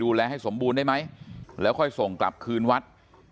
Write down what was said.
ให้สมบูรณ์ได้ไหมแล้วค่อยส่งกลับคืนวัด